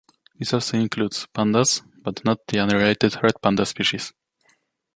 This also includes pandas, but not the unrelated red panda species.